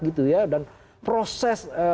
gitu ya dan proses